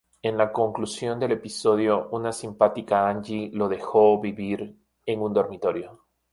En la conclusión del episodio, una simpática Angie lo deja vivir en un dormitorio.